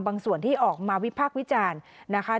บางส่วนที่ออกมาวิพากษ์วิจารณ์นะคะ